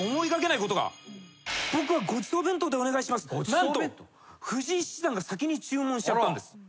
何と藤井七段が先に注文しちゃったんです。